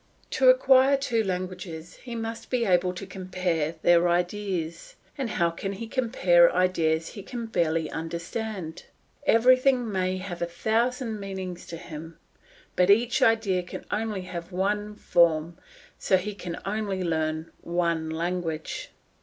To acquire two languages he must be able to compare their ideas, and how can he compare ideas he can barely understand? Everything may have a thousand meanings to him, but each idea can only have one form, so he can only learn one language.